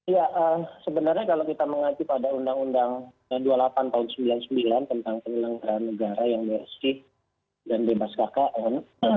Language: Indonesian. ya sebenarnya kalau kita mengacu pada undang undang dua puluh delapan tahun seribu sembilan ratus sembilan puluh sembilan tentang penyelenggaraan negara yang bersih dan bebas kkn